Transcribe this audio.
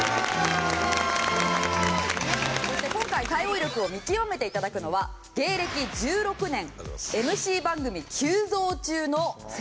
今回対応力を見極めて頂くのは芸歴１６年ＭＣ番組急増中の先輩です。